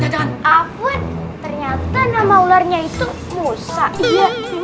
apun ternyata nama ularnya itu musa